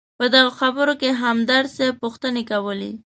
په دغه خبرو کې همدرد صیب پوښتنې کولې.